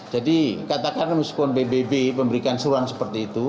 jadi katakan musuh pembayaran pbb memberikan seruan seperti itu